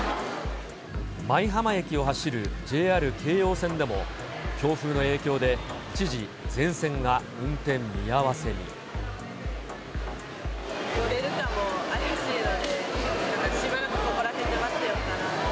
舞浜駅を走るＪＲ京葉線でも、強風の影響で、一時、乗れるかも怪しいので、しばらくここら辺で待ってようかなと。